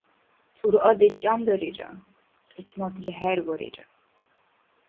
Цӏуръадеш «чӏямдарира», кьисматли хӏерварира